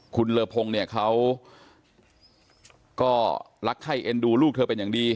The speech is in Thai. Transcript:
คุณเลอพงศ์เนี่ยเขาก็รักไข้เอ็นดูลูกเธอเป็นอย่างดี